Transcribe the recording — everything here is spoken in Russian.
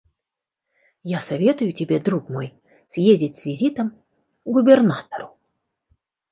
Я советую тебе, друг мой, съездить с визитом к губернатору.